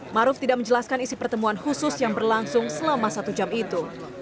maruf tidak menjelaskan isi pertemuan khusus yang berlangsung selama satu jam itu